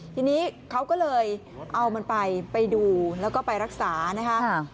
ทีนี้เขาก็เลยเอามันไปไปดูแล้วก็ไปรักษานะคะ